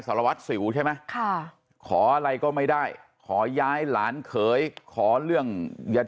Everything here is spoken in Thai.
สารวัตรสิวใช่ไหมค่ะขออะไรก็ไม่ได้ขอย้ายหลานเขยขอเรื่องยา